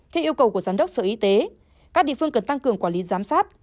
theo yêu cầu của giám đốc sở y tế các địa phương cần tăng cường quản lý giám sát